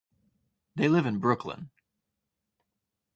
They live in Brooklyn.